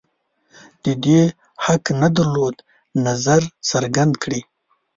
د دې حق نه درلود نظر څرګند کړي